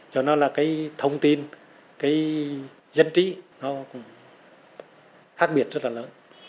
cho nó là cái thông tin cái dân trí nó cũng khác biệt rất là lớn